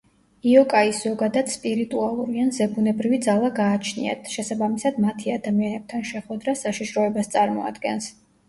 იოკაის ზოგადად სპირიტუალური ან ზებუნებრივი ძალა გააჩნიათ, შესაბამისად მათი ადამიანებთან შეხვედრა საშიშროებას წარმოადგენს.